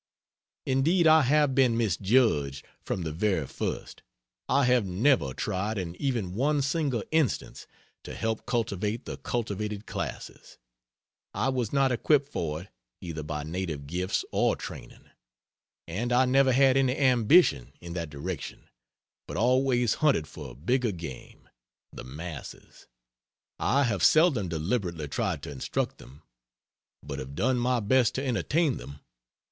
Indeed I have been misjudged, from the very first. I have never tried in even one single instance, to help cultivate the cultivated classes. I was not equipped for it, either by native gifts or training. And I never had any ambition in that direction, but always hunted for bigger game the masses. I have seldom deliberately tried to instruct them, but have done my best to entertain them.